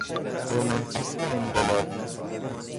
رمانتیسم انقلابی